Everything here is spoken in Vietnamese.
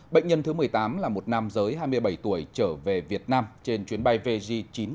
bệnh nhân thứ một mươi tám là một nam giới hai mươi bảy tuổi trở về việt nam trên chuyến bay vg chín trăm tám mươi